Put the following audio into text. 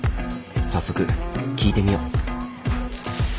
早速聞いてみよう。